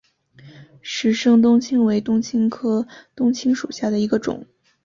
石生冬青为冬青科冬青属下的一个种。